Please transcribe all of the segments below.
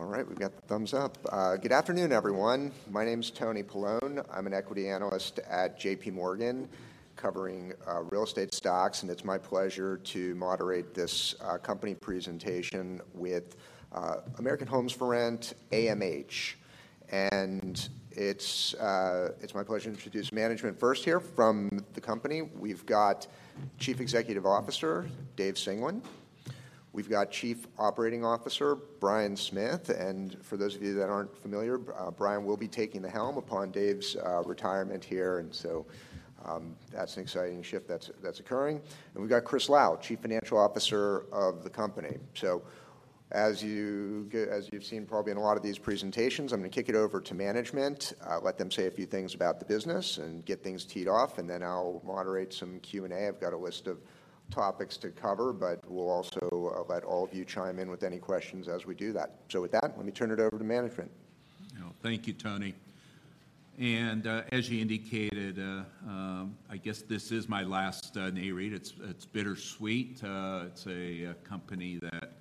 All right, we've got the thumbs up. Good afternoon, everyone. My name's Anthony Paolone. I'm an Equity Analyst at J.P. Morgan, covering Real Estate Stocks, and it's my pleasure to moderate this company presentation with American Homes 4 Rent, AMH. It's my pleasure to introduce management first here from the company. We've got Chief Executive Officer David Singelyn. We've got Chief Operating Officer Bryan Smith, and for those of you that aren't familiar, Bryan will be taking the helm upon Dave's retirement here, and so that's an exciting shift that's occurring. We've got Christopher Lau, Chief Financial Officer of the company. As you've seen probably in a lot of these presentations, I'm gonna kick it over to management, let them say a few things about the business and get things teed up, and then I'll moderate some Q&A. I've got a list of topics to cover, but we'll also let all of you chime in with any questions as we do that. With that, let me turn it over to management. Well, thank you, Tony. And, as you indicated, I guess this is my last Annual REIT. It's, it's bittersweet. It's a company that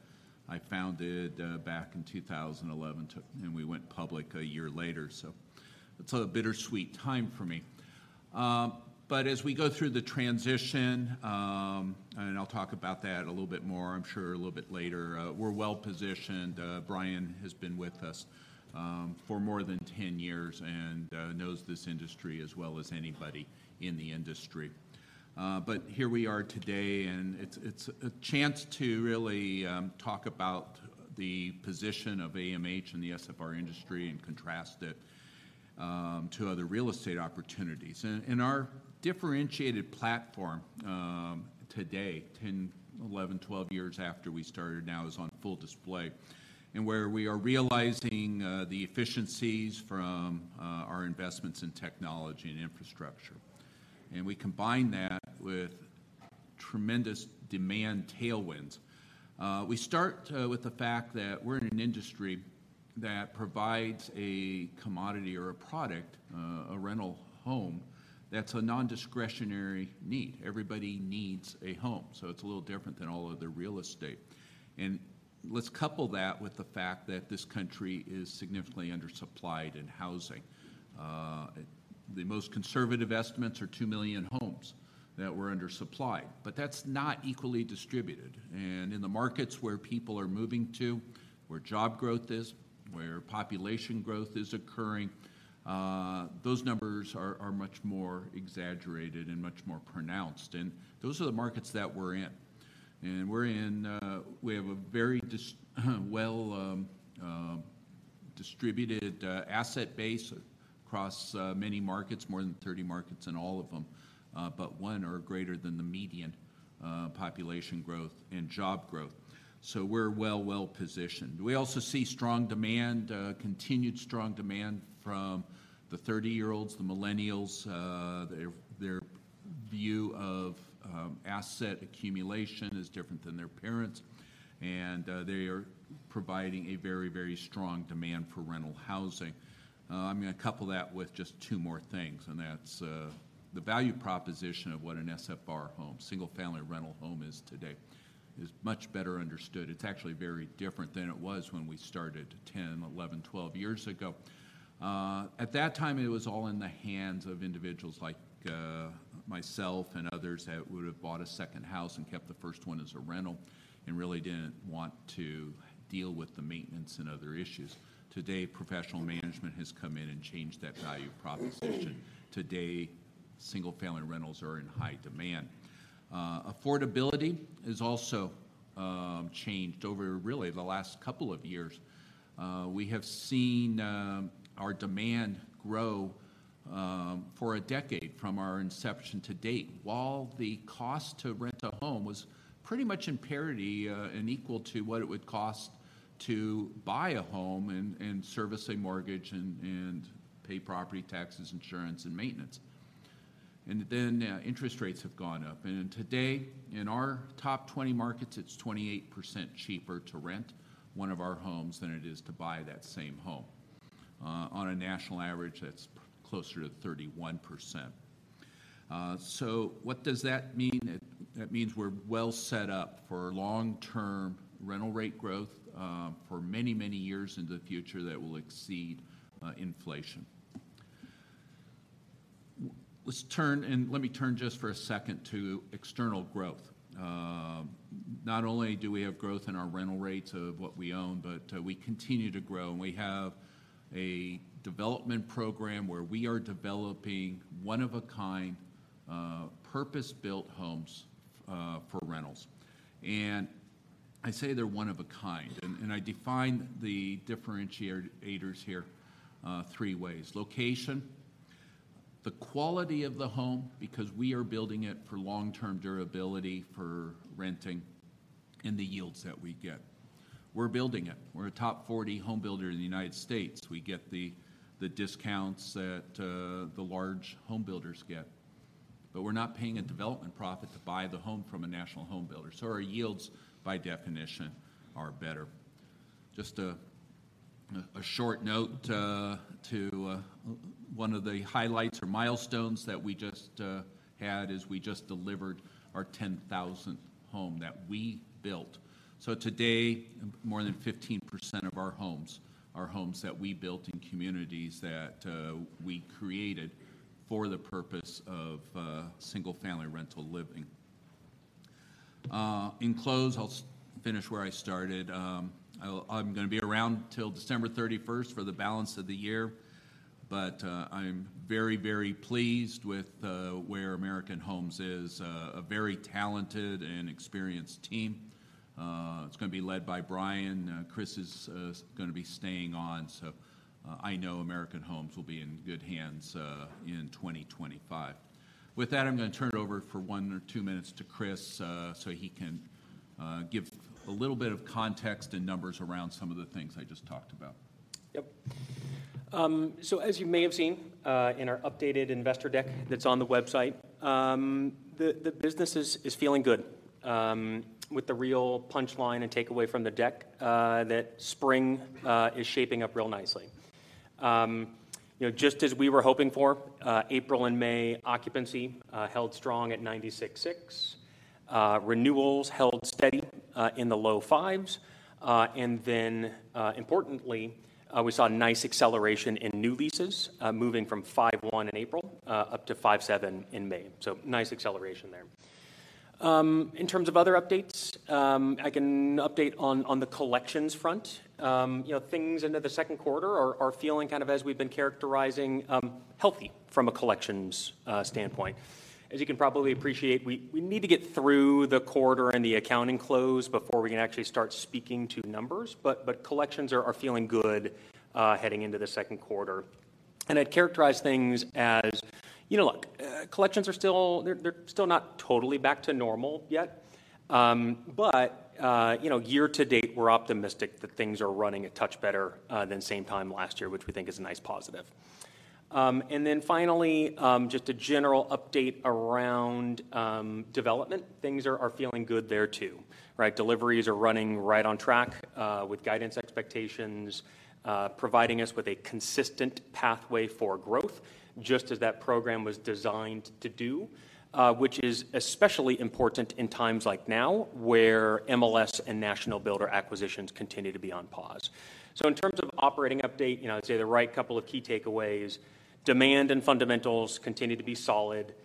I founded back in 2011, and we went public a year later, so it's a bittersweet time for me. But as we go through the transition, and I'll talk about that a little bit more, I'm sure, a little bit later, we're well-positioned. Bryan has been with us for more than 10 years and knows this industry as well as anybody in the industry. But here we are today, and it's, it's a chance to really talk about the position of AMH in the SFR industry and contrast it to other real estate opportunities. Our differentiated platform today, 10, 11, 12 years after we started, now is on full display, and where we are realizing our efficiencies from our investments in technology and infrastructure, and we combine that with tremendous demand tailwinds. We start with the fact that we're in an industry that provides a commodity or a product, a rental home, that's a non-discretionary need. Everybody needs a home, so it's a little different than all other real estate. Let's couple that with the fact that this country is significantly undersupplied in housing. The most conservative estimates are 2 million homes that were undersupplied, but that's not equally distributed. In the markets where people are moving to, where job growth is, where population growth is occurring, those numbers are much more exaggerated and much more pronounced, and those are the markets that we're in. We have a very distributed asset base across many markets, more than 30 markets, and all of them but one are greater than the median population growth and job growth. So we're well-positioned. We also see strong demand, continued strong demand from the 30-year-olds, the millennials. Their view of asset accumulation is different than their parents, and they are providing a very, very strong demand for rental housing. I'm gonna couple that with just two more things, and that's, the value proposition of what an SFR home, single-family rental home, is today is much better understood. It's actually very different than it was when we started 10, 11, 12 years ago. At that time, it was all in the hands of individuals like, myself and others that would have bought a second house and kept the first one as a rental and really didn't want to deal with the maintenance and other issues. Today, professional management has come in and changed that value proposition. Today, single-family rentals are in high demand. Affordability has also, changed over really the last couple of years. We have seen our demand grow for a decade from our inception to date, while the cost to rent a home was pretty much in parity and equal to what it would cost to buy a home and service a mortgage and pay property taxes, insurance, and maintenance. Then interest rates have gone up, and today, in our top 20 markets, it's 28% cheaper to rent one of our homes than it is to buy that same home. On a national average, that's closer to 31%. So what does that mean? That means we're well set up for long-term rental rate growth for many, many years into the future that will exceed inflation. Let's turn, and let me turn just for a second to external growth. Not only do we have growth in our rental rates of what we own, but we continue to grow, and we have a development program where we are developing one-of-a-kind purpose-built homes for rentals. I say they're one of a kind, and I define the differentiators here three ways: location, the quality of the home, because we are building it for long-term durability, for renting, and the yields that we get. We're building it. We're a top 40 home builder in the United States. We get the discounts that the large home builders get, but we're not paying a development profit to buy the home from a national home builder, so our yields, by definition, are better. Just... A short note to one of the highlights or milestones that we just had is we just delivered our 10,000th home that we built. So today, more than 15% of our homes are homes that we built in communities that we created for the purpose of single-family rental living. In close, I'll finish where I started. I'm gonna be around till December 31st for the balance of the year, but I'm very, very pleased with where American Homes is. A very talented and experienced team. It's gonna be led by Bryan. Chris is gonna be staying on, so I know American Homes will be in good hands in 2025. With that, I'm gonna turn it over for one or two minutes to Chris, so he can give a little bit of context and numbers around some of the things I just talked about. Yep. So as you may have seen, in our updated investor deck that's on the website, the business is feeling good. With the real punchline and takeaway from the deck, that spring is shaping up real nicely. You know, just as we were hoping for, April and May occupancy held strong at 96.6%. Renewals held steady in the low fives. And then, importantly, we saw a nice acceleration in new leases, moving from 5.1% in April, up to 5.7% in May. So nice acceleration there. In terms of other updates, I can update on the collections front. You know, things into the second quarter are feeling kind of, as we've been characterizing, healthy from a collections standpoint. As you can probably appreciate, we need to get through the quarter and the accounting close before we can actually start speaking to numbers, but collections are feeling good, heading into the second quarter. And I'd characterize things as you know, look, collections are still... They're still not totally back to normal yet. But you know, year to date, we're optimistic that things are running a touch better than same time last year, which we think is a nice positive. And then finally, just a general update around development. Things are feeling good there, too, right? Deliveries are running right on track with guidance expectations, providing us with a consistent pathway for growth, just as that program was designed to do. Which is especially important in times like now, where MLS and national builder acquisitions continue to be on pause. So in terms of operating update, you know, I'd say the right couple of key takeaways: demand and fundamentals continue to be solid,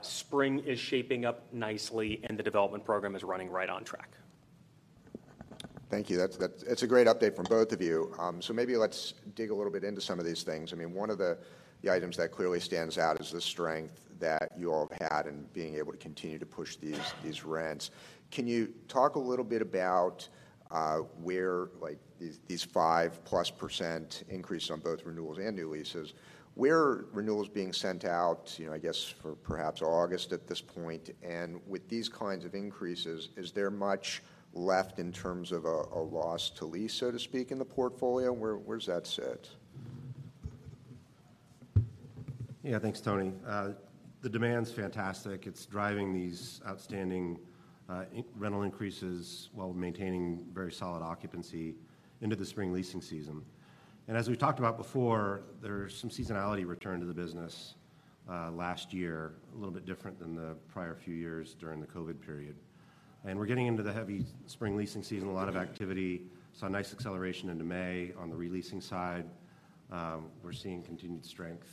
spring is shaping up nicely, and the development program is running right on track. Thank you. That's a great update from both of you. So maybe let's dig a little bit into some of these things. I mean, one of the items that clearly stands out is the strength that you all have had in being able to continue to push these rents. Can you talk a little bit about where, like, these 5%+ increase on both renewals and new leases, where are renewals being sent out, you know, I guess for perhaps August at this point, and with these kinds of increases, is there much left in terms of a loss to lease, so to speak, in the portfolio? Where does that sit? Yeah, thanks, Tony. The demand's fantastic. It's driving these outstanding in-rental increases while maintaining very solid occupancy into the spring leasing season. And as we've talked about before, there's some seasonality return to the business last year, a little bit different than the prior few years during the COVID period. And we're getting into the heavy spring leasing season, a lot of activity. Saw a nice acceleration into May on the re-leasing side. We're seeing continued strength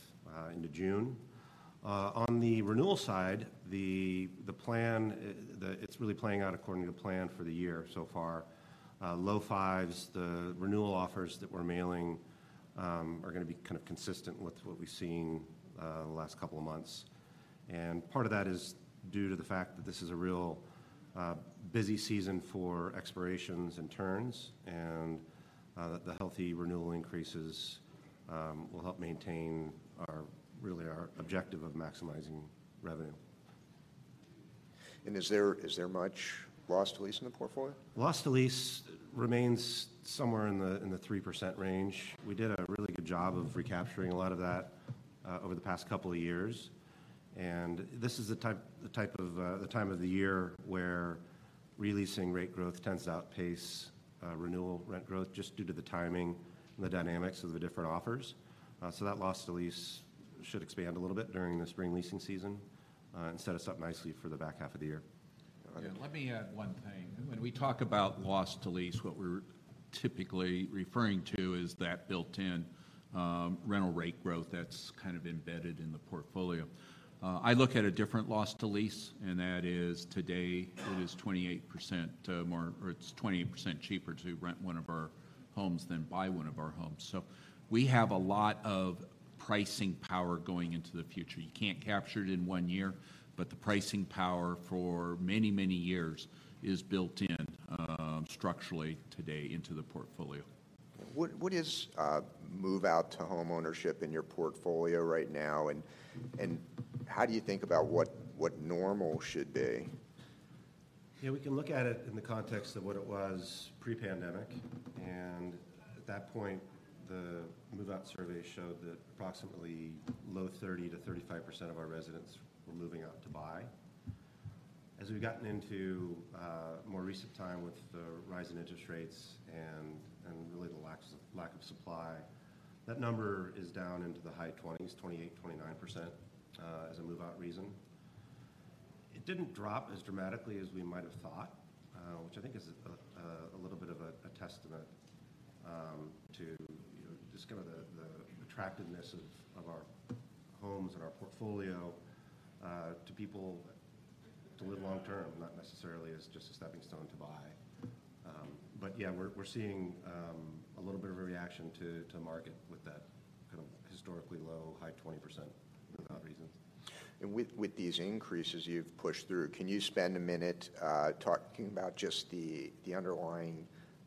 into June. On the renewal side, the plan it's really playing out according to plan for the year so far. Low fives, the renewal offers that we're mailing, are gonna be kind of consistent with what we've seen the last couple of months. Part of that is due to the fact that this is a real busy season for expirations and turns, and that the healthy renewal increases will help maintain our, really our objective of maximizing revenue. Is there much loss to lease in the portfolio? Loss to lease remains somewhere in the 3% range. We did a really good job of recapturing a lot of that over the past couple of years. And this is the type of the time of the year where re-leasing rate growth tends to outpace renewal rent growth, just due to the timing and the dynamics of the different offers. So that loss to lease should expand a little bit during the spring leasing season and set us up nicely for the back half of the year. Yeah, let me add one thing. When we talk about loss to lease, what we're typically referring to is that built-in rental rate growth that's kind of embedded in the portfolio. I look at a different loss to lease, and that is today, it is 28% more, or it's 28% cheaper to rent one of our homes than buy one of our homes. So we have a lot of pricing power going into the future. You can't capture it in one year, but the pricing power for many, many years is built in structurally today into the portfolio. What is move-out to homeownership in your portfolio right now, and how do you think about what normal should be? Yeah, we can look at it in the context of what it was pre-pandemic, and at that point, the move-out survey showed that approximately low 30-35% of our residents were moving out to buy. As we've gotten into more recent time with the rise in interest rates and really the lack of supply, that number is down into the high 20s, 28-29%, as a move-out reason. It didn't drop as dramatically as we might have thought, which I think is a little bit of a testament to, you know, just kind of the attractiveness of our homes and our portfolio to people to live long term, not necessarily as just a stepping stone to buy. But yeah, we're seeing a little bit of a reaction to the market with that kind of historically low, high 20% move-out reasons. With these increases you've pushed through, can you spend a minute talking about just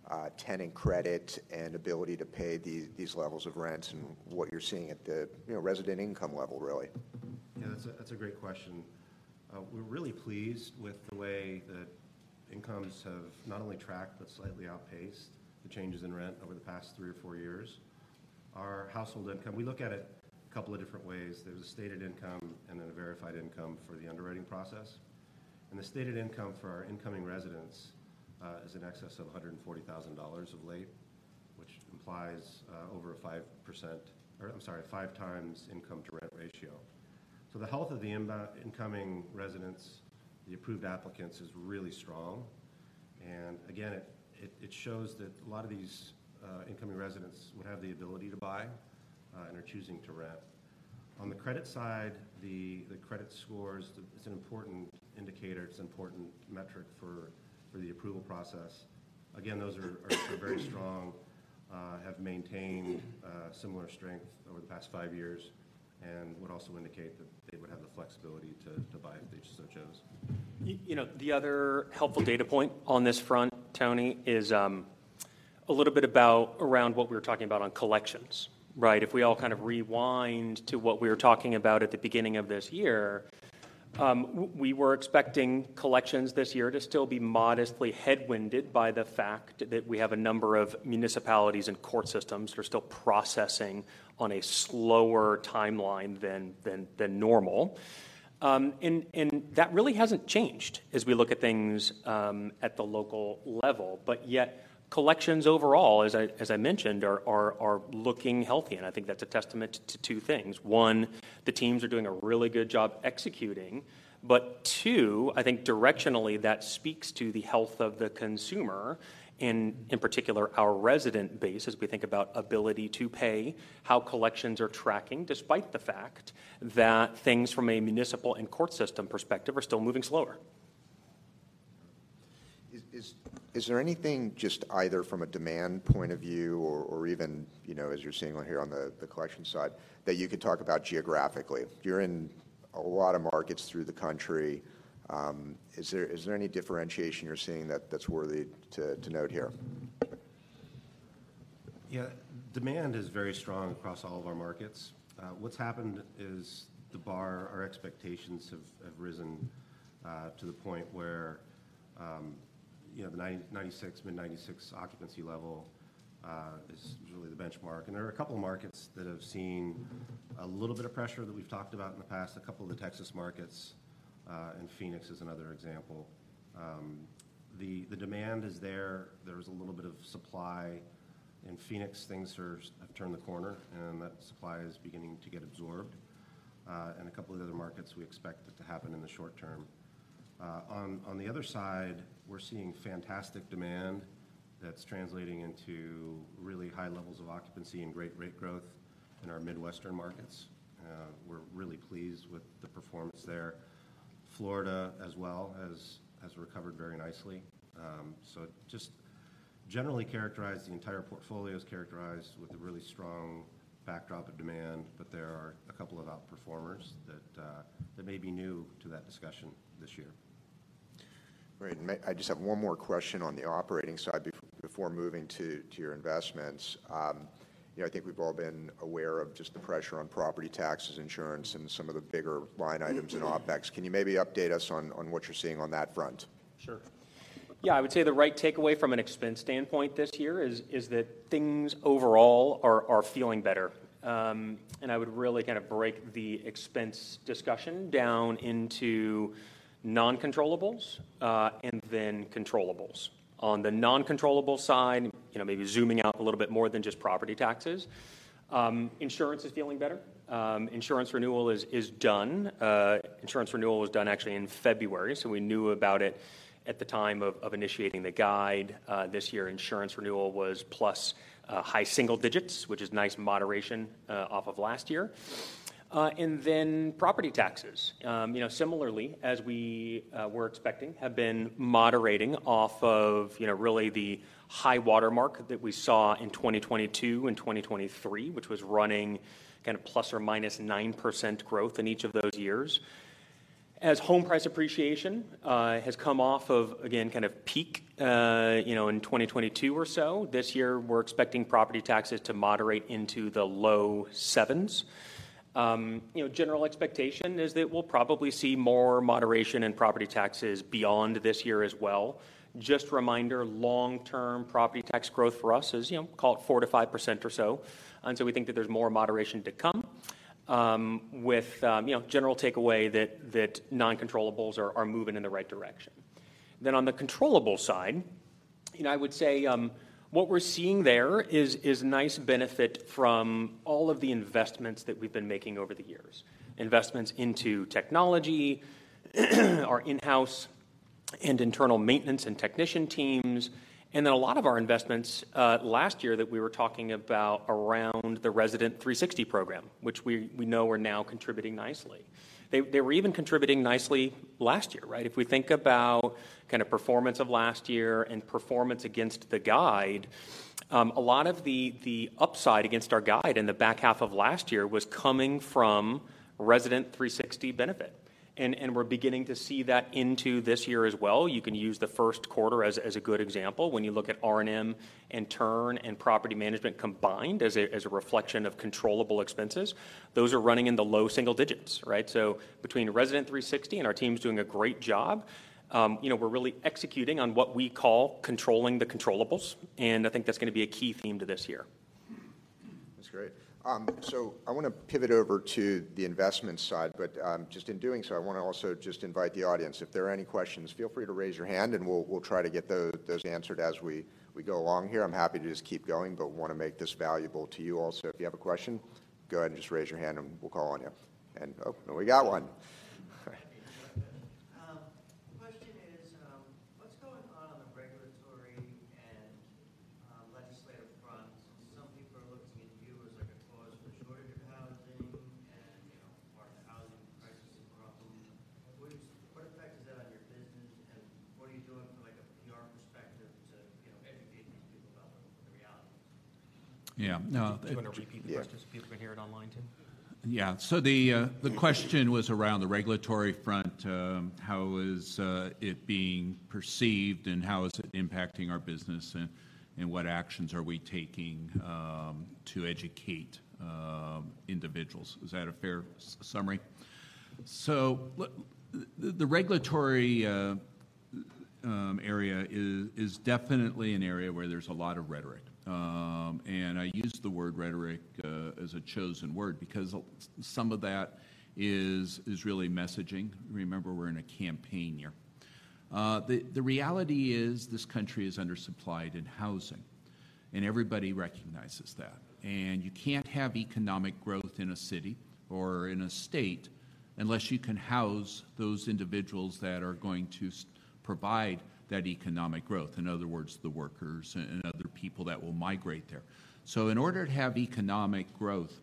the underlying tenant credit and ability to pay these levels of rents and what you're seeing at the, you know, resident income level, really? Yeah, that's a great question. We're really pleased with the way that incomes have not only tracked, but slightly outpaced the changes in rent over the past three or four years. Our household income, we look at it a couple of different ways. There's a stated income and then a verified income for the underwriting process. And the stated income for our incoming residents is in excess of $140,000 of late, which implies over a 5%, or I'm sorry, 5 times income to rent ratio. So the health of the incoming residents, the approved applicants, is really strong. And again, it shows that a lot of these incoming residents would have the ability to buy and are choosing to rent. On the credit side, the credit scores, it's an important indicator, it's an important metric for the approval process. Again, those are very strong, have maintained similar strength over the past five years and would also indicate that they would have the flexibility to buy if they so chose. You know, the other helpful data point on this front, Tony, is a little bit about around what we were talking about on collections, right? If we all kind of rewind to what we were talking about at the beginning of this year, we were expecting collections this year to still be modestly headwinded by the fact that we have a number of municipalities and court systems that are still processing on a slower timeline than normal. And that really hasn't changed as we look at things at the local level. But yet, collections overall, as I mentioned, are looking healthy, and I think that's a testament to two things. One, the teams are doing a really good job executing. But two, I think directionally, that speaks to the health of the consumer, in, in particular, our resident base, as we think about ability to pay, how collections are tracking, despite the fact that things from a municipal and court system perspective are still moving slower. Is there anything just either from a demand point of view or even, you know, as you're seeing on the collection side, that you could talk about geographically? You're in a lot of markets through the country. Is there any differentiation you're seeing that's worthy to note here? Yeah. Demand is very strong across all of our markets. What's happened is the bar, our expectations have risen to the point where, you know, the 96, mid-96 occupancy level is really the benchmark. And there are a couple of markets that have seen a little bit of pressure that we've talked about in the past, a couple of the Texas markets, and Phoenix is another example. The demand is there. There's a little bit of supply. In Phoenix, things have turned the corner, and that supply is beginning to get absorbed. And a couple of the other markets, we expect it to happen in the short term. On the other side, we're seeing fantastic demand that's translating into really high levels of occupancy and great rate growth in our Midwestern markets. We're really pleased with the performance there. Florida as well, has recovered very nicely. So, the entire portfolio is characterized with a really strong backdrop of demand, but there are a couple of outperformers that may be new to that discussion this year. Great. And I just have one more question on the operating side before moving to your investments. You know, I think we've all been aware of just the pressure on property taxes, insurance, and some of the bigger line items in OpEx. Can you maybe update us on what you're seeing on that front? Sure. Yeah, I would say the right takeaway from an expense standpoint this year is that things overall are feeling better. And I would really kind of break the expense discussion down into non-controllables and then controllables. On the non-controllable side, you know, maybe zooming out a little bit more than just property taxes, insurance is feeling better. Insurance renewal is done. Insurance renewal was done actually in February, so we knew about it at the time of initiating the guide. This year, insurance renewal was plus high single digits, which is nice moderation off of last year. And then property taxes, you know, similarly, as we were expecting, have been moderating off of, you know, really the high water mark that we saw in 2022 and 2023, which was running kind of ±9% growth in each of those years. As home price appreciation has come off of, again, kind of peak, you know, in 2022 or so, this year, we're expecting property taxes to moderate into the low sevens. You know, general expectation is that we'll probably see more moderation in property taxes beyond this year as well. Just a reminder, long-term property tax growth for us is, you know, call it 4%-5% or so, and so we think that there's more moderation to come. With, you know, general takeaway that non-controllables are moving in the right direction. Then on the controllable side. You know, I would say, what we're seeing there is nice benefit from all of the investments that we've been making over the years. Investments into technology, our in-house and internal maintenance and technician teams, and then a lot of our investments last year that we were talking about around the Resident360 program, which we know are now contributing nicely. They were even contributing nicely last year, right? If we think about kind of performance of last year and performance against the guide, a lot of the upside against our guide in the back half of last year was coming from Resident360 benefit, and we're beginning to see that into this year as well. You can use the first quarter as, as a good example. When you look at R&M and turn and property management combined as a, as a reflection of controllable expenses, those are running in the low single digits, right? So between Resident360 and our team's doing a great job, you know, we're really executing on what we call controlling the controllables, and I think that's gonna be a key theme to this year. That's great. So I wanna pivot over to the investment side, but just in doing so, I wanna also just invite the audience. If there are any questions, feel free to raise your hand, and we'll try to get those answered as we go along here. I'm happy to just keep going, but wanna make this valuable to you also. If you have a question, go ahead and just raise your hand, and we'll call on you. And oh, and we got one. The question is, what's going on on the regulatory and, legislative front? Some people are looking at you as like a cause for shortage of housing and, you know, part of the housing crisis problem. What, what effect is that on your business, and what are you doing from, like, a PR perspective to, you know, educate these people about the reality? Yeah, uh- Do you wanna repeat the question so people can hear it online, too? Yeah. So the question was around the regulatory front, how is it being perceived, and how is it impacting our business, and what actions are we taking to educate individuals? Is that a fair summary? So the regulatory area is definitely an area where there's a lot of rhetoric. And I use the word rhetoric as a chosen word because some of that is really messaging. Remember, we're in a campaign year. The reality is this country is undersupplied in housing, and everybody recognizes that. And you can't have economic growth in a city or in a state unless you can house those individuals that are going to provide that economic growth, in other words, the workers and other people that will migrate there. So in order to have economic growth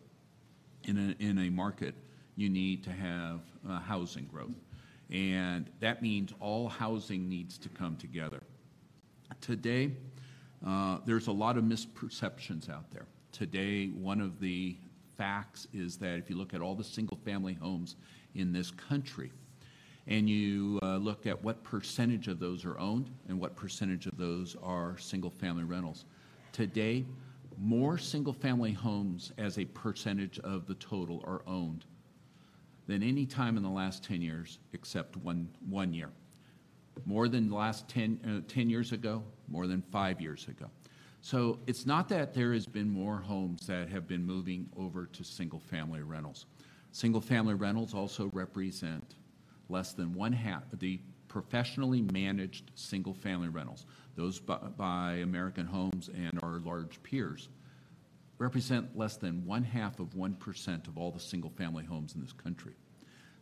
in a, in a market, you need to have housing growth, and that means all housing needs to come together. Today, there's a lot of misperceptions out there. Today, one of the facts is that if you look at all the single-family homes in this country, and you look at what percentage of those are owned and what percentage of those are single-family rentals, today, more single-family homes as a percentage of the total are owned than any time in the last 10 years, except one year. More than the last 10 years ago, more than five years ago. So it's not that there has been more homes that have been moving over to single-family rentals. The professionally managed single-family rentals, those by American Homes and our large peers, represent less than 0.5% of all the single-family homes in this country.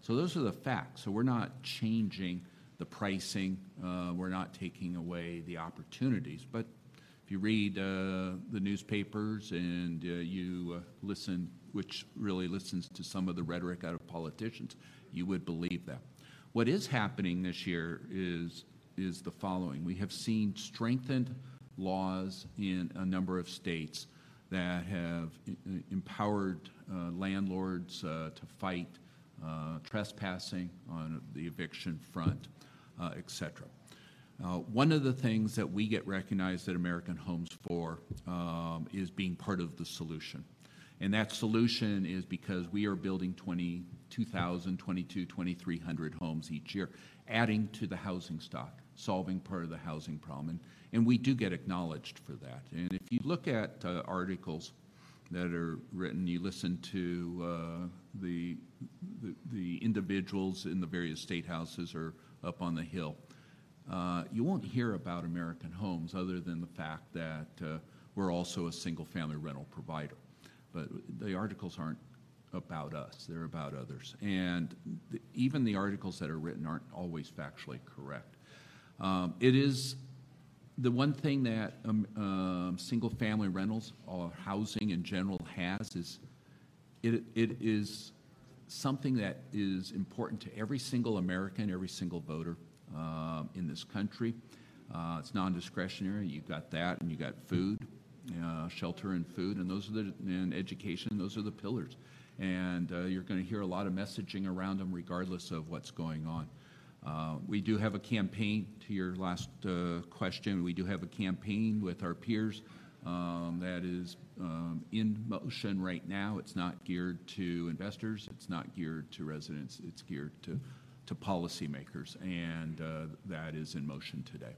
So those are the facts. So we're not changing the pricing, we're not taking away the opportunities, but if you read the newspapers, and you listen, which really listens to some of the rhetoric out of politicians, you would believe that. What is happening this year is the following: we have seen strengthened laws in a number of states that have empowered landlords to fight trespassing on the eviction front, et cetera. One of the things that we get recognized at American Homes for is being part of the solution. That solution is because we are building 22,000, 2,200-2,300 homes each year, adding to the housing stock, solving part of the housing problem, and we do get acknowledged for that. And if you look at articles that are written, you listen to the individuals in the various state houses or up on the Hill, you won't hear about American Homes other than the fact that we're also a single-family rental provider. But the articles aren't about us, they're about others, and even the articles that are written aren't always factually correct. It is the one thing that single-family rentals or housing, in general, has: it is something that is important to every single American, every single voter in this country. It's non-discretionary. You've got that, and you've got food, shelter and food, and those are the pillars. Those are the pillars, and you're gonna hear a lot of messaging around them, regardless of what's going on. We do have a campaign, to your last question, we do have a campaign with our peers that is in motion right now. It's not geared to investors, it's not geared to residents. It's geared to policymakers, and that is in motion today,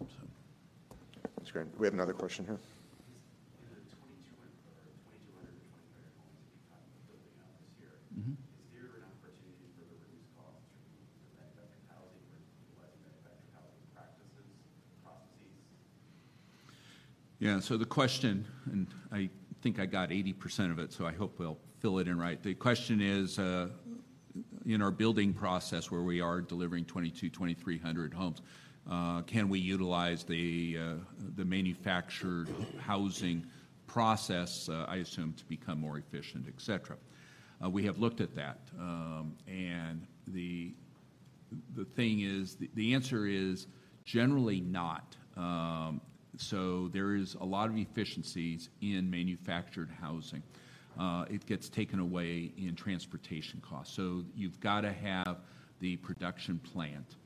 so. That's great. We have another question here.... manufactured housing or utilizing manufactured housing practices, processes? Yeah, so the question, and I think I got 80% of it, so I hope we'll fill it in right. The question is, in our building process, where we are delivering 2,200-2,300 homes, can we utilize the manufactured housing process, I assume, to become more efficient, et cetera? We have looked at that, and the thing is, the answer is generally not. So there is a lot of efficiencies in manufactured housing. It gets taken away in transportation costs. So you've got to have the production plant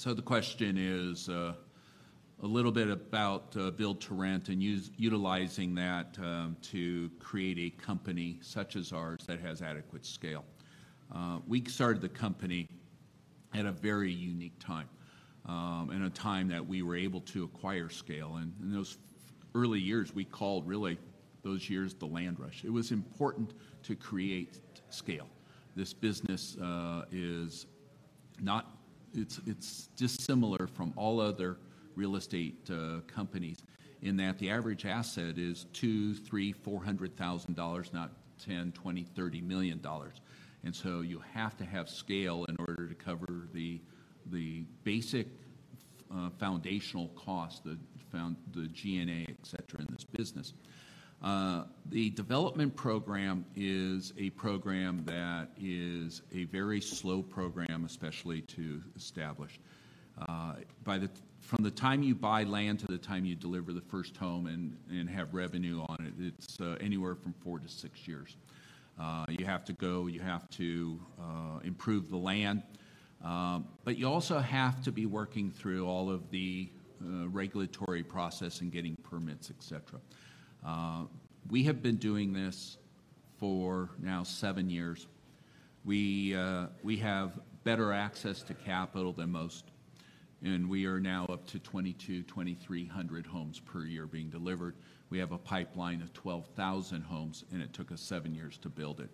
So the question is, a little bit about, build-to-rent and utilizing that, to create a company such as ours that has adequate scale. We started the company at a very unique time, in a time that we were able to acquire scale, and in those early years, we called really those years the land rush. It was important to create scale. This business is not. It's, it's dissimilar from all other real estate companies, in that the average asset is $200,000-$400,000, not $10-$30 million. And so you have to have scale in order to cover the basic foundational cost, the G&A, et cetera, in this business. The development program is a program that is a very slow program, especially to establish. From the time you buy land to the time you deliver the first home and have revenue on it, it's anywhere from four to six years. You have to improve the land, but you also have to be working through all of the regulatory process and getting permits, et cetera. We have been doing this for now seven years. We have better access to capital than most, and we are now up to 2,200-2,300 homes per year being delivered. We have a pipeline of 12,000 homes, and it took us seven years to build it.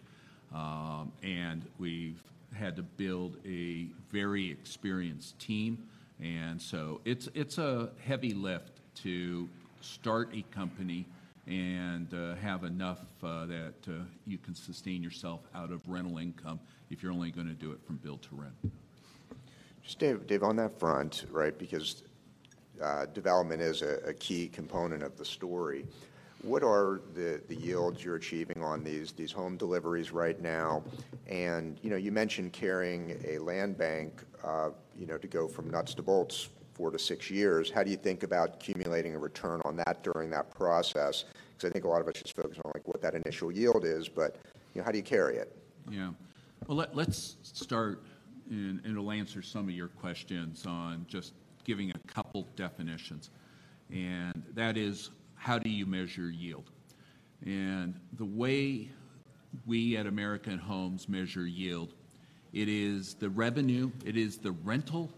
We've had to build a very experienced team, and so it's a heavy lift to start a company and have enough that you can sustain yourself out of rental income if you're only gonna do it from build-to-rent. Just, Dave, Dave, on that front, right, because development is a key component of the story, what are the yields you're achieving on these home deliveries right now? And, you know, you mentioned carrying a land bank, you know, to go from nuts to bolts, four to six years. How do you think about accumulating a return on that during that process? Because I think a lot of us just focus on, like, what that initial yield is, but, you know, how do you carry it? Yeah. Well, let's start, and it'll answer some of your questions on just giving a couple definitions, and that is: How do you measure yield? And the way we at American Homes measure yield, it is the revenue, it is the rental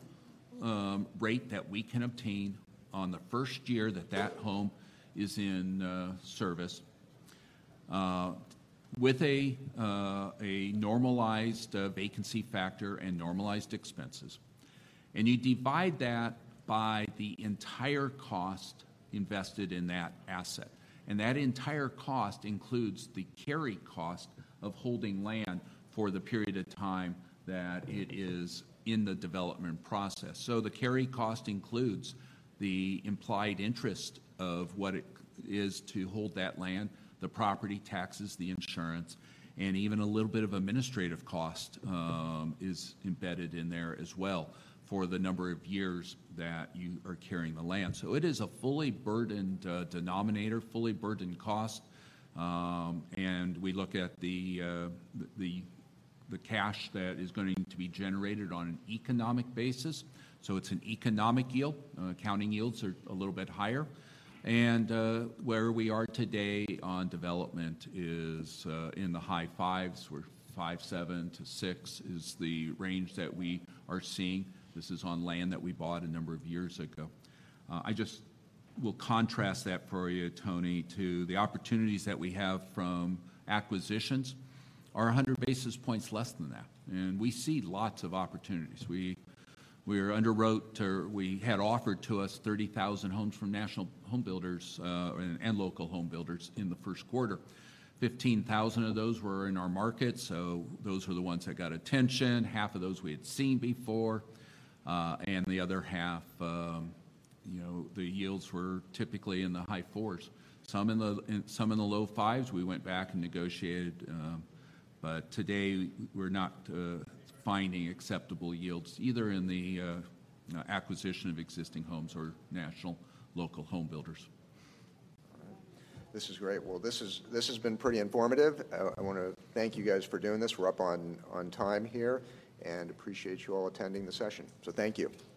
rate that we can obtain on the first year that that home is in service with a normalized vacancy factor and normalized expenses. And you divide that by the entire cost invested in that asset, and that entire cost includes the carry cost of holding land for the period of time that it is in the development process. So the carry cost includes the implied interest of what it is to hold that land, the property taxes, the insurance, and even a little bit of administrative cost is embedded in there as well for the number of years that you are carrying the land. So it is a fully burdened denominator, fully burdened cost, and we look at the cash that is going to be generated on an economic basis. So it's an economic yield. Accounting yields are a little bit higher. Where we are today on development is in the high fives; we're 5.7-6 is the range that we are seeing. This is on land that we bought a number of years ago. I just will contrast that for you, Tony, to the opportunities that we have from acquisitions are 100 basis points less than that, and we see lots of opportunities. We had offered to us 30,000 homes from national home builders and local home builders in the first quarter. 15,000 of those were in our market, so those were the ones that got attention. Half of those we had seen before, and the other half, you know, the yields were typically in the high fours, some in the low fives. We went back and negotiated, but today we're not finding acceptable yields either in the acquisition of existing homes or national, local home builders. All right. This is great. Well, this has been pretty informative. I want to thank you guys for doing this. We're up on time here, and appreciate you all attending the session. So thank you.